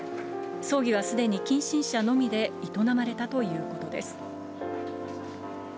葬儀はすでに近親者のみで営まれたということです。